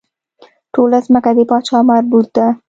ټوله ځمکه د پاچا مربوط ده.